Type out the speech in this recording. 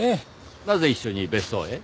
なぜ一緒に別荘へ？